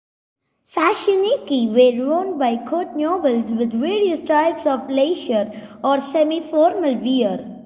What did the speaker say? Sashinuki were worn by court nobles with various types of leisure or semi-formal wear.